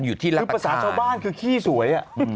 คือภาษาชาวบ้านคือขี้สวย